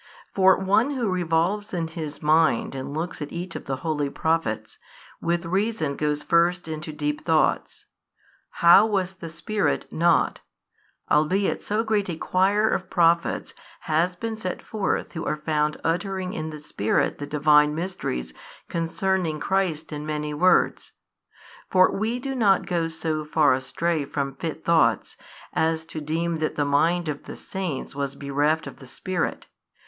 For one who revolves in his mind and looks at each of the holy Prophets, with reason goes first into deep thoughts, How was the Spirit not, albeit so great a choir of Prophets has been set forth who are found uttering in the Spirit the Divine mysteries concerning Christ in many words. For we do not go so far astray from fit thoughts, as to deem that the mind of the saints was bereft of the Spirit.